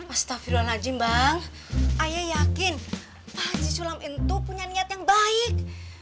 astagfirullahaladzim bang ayah yakin pak haji sulam itu punya niat yang baik